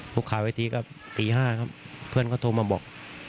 หุบข่าวเวอร์ทีครับปี๕ครับเพื่อนก็โทรมาบอก